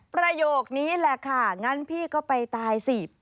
ประโยคนี้แหละค่ะงั้นพี่ก็ไปตายสิ